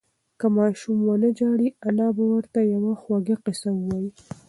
که ماشوم ونه ژاړي، انا به ورته یوه خوږه قصه ووایي.